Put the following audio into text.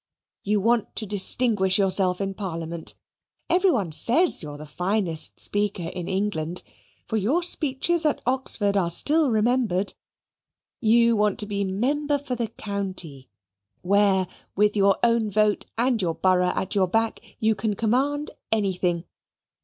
You want to distinguish yourself in Parliament; every one says you are the finest speaker in England (for your speeches at Oxford are still remembered). You want to be Member for the County, where, with your own vote and your borough at your back, you can command anything.